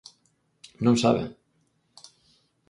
Non saben.